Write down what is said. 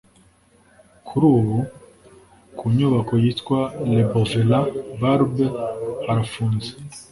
Kuri ubu ku nyubako yitwa Le boulevard Barbès harafunze